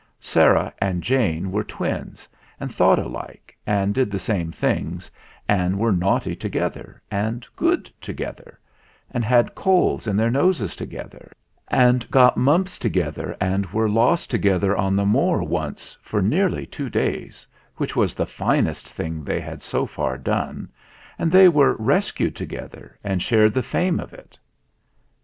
Sarah and Jane were twins, and thought alike, and did the same things, and were naughty to gether, and good together, and had colds in their noses together, and got mumps together, and were lost together on the Moor once for nearly two days, which was the finest thing they had so far done, and they were rescued to gether and shared the fame of it.